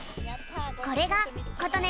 これがことね